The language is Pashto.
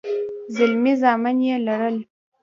زلمي زامن يې لرل.